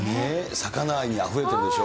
魚愛にあふれているでしょ。